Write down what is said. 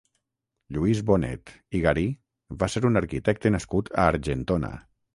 Lluís Bonet i Garí va ser un arquitecte nascut a Argentona.